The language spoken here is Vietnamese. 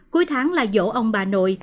cuối tháng là vỗ ông bà nội